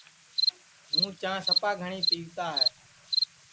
ہوں چاں سپا گھٹؔی پیوتا ہے